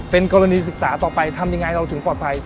เป็นกรณีศึกษาต่อไปทำยังไงเราถึงปลอดภัย